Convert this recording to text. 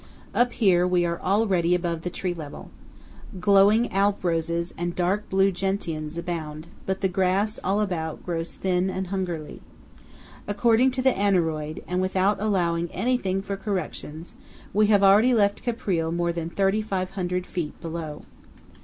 Up here we are already above the tree level. Glowing Alp roses and dark blue gentians abound; but the grass all about grows thin and hungerly. According to the aneroid, and without allowing anything for corrections, we have already left Caprile more than 3,500 feet below.